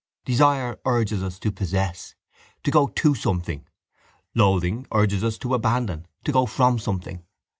Desire urges us to possess, to go to something; loathing urges us to abandon, to go from something.